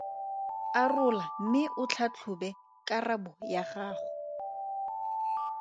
Arola mme o tlhatlhobe karabo ya gago.